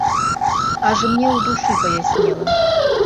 Аж мне ў душы паяснела.